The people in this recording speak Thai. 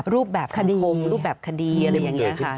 รูปแบบคดีคมรูปแบบคดีอะไรอย่างนี้ค่ะ